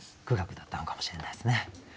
苦学だったのかもしれないですね。